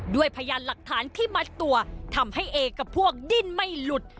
พยานหลักฐานที่มัดตัวทำให้เอกับพวกดิ้นไม่หลุด